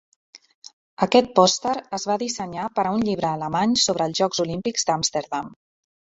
Aquest pòster es va dissenyar per a un llibre alemany sobre els Jocs Olímpics d'Amsterdam.